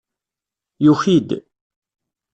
Yuki-d.